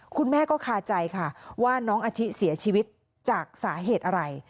คุณแม่ก็คาใจค่ะว่าน้องอาทิเสียชีวิตจากสาเหตุอะไร